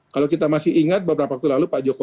kalau kita masih ingat beberapa waktu lalu pak jokowi